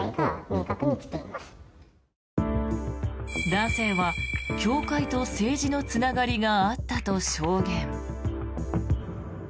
男性は教会と政治のつながりがあったと証言。